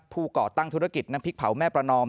ก่อตั้งธุรกิจน้ำพริกเผาแม่ประนอม